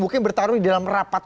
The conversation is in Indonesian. mungkin bertarung di dalam rapat